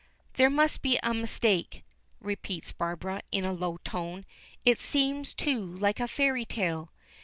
"There must be a mistake," repeats Barbara, in a low tone. "It seems too like a fairy tale."